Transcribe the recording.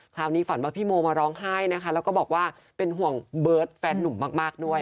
ฝันว่าพี่โมมาร้องไห้นะคะแล้วก็บอกว่าเป็นห่วงเบิร์ตแฟนหนุ่มมากด้วย